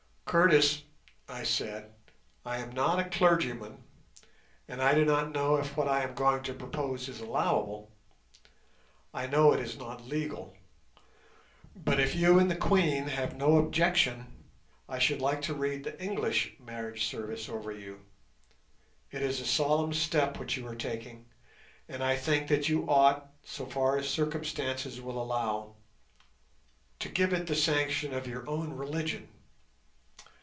"Curtis," I said, "I am not a clergyman, and I do not know if what I am going to propose is allowable—I know it is not legal—but if you and the Queen have no objection I should like to read the English marriage service over you. It is a solemn step which you are taking, and I think that you ought, so far as circumstances will allow, to give it the sanction of your own religion."